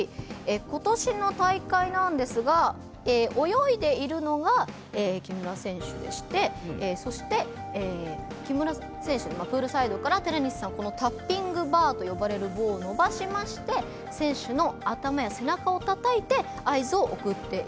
ことしの大会なんですが泳いでいるのが木村選手でしてそして木村選手にプールサイドから寺西さんタッピングバーと呼ばれる棒を伸ばしまして選手の頭や背中をたたいて合図を送っているんですね。